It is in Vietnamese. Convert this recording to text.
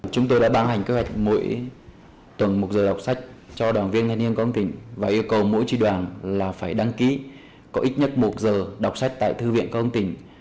chúng tôi đã ban hành kế hoạch mỗi tuần một giờ đọc sách cho đoàn viên thanh niên công an tỉnh và yêu cầu mỗi tri đoàn là phải đăng ký có ít nhất một giờ đọc sách tại thư viện công an tỉnh